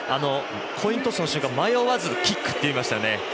コイントスの瞬間迷わずキックと言いましたね。